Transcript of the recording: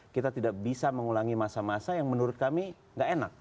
kita tidak bisa mengulangi masa masa yang menurut kami tidak enak